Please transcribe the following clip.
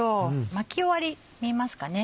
巻き終わり見えますかね？